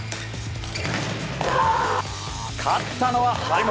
勝ったのは張本。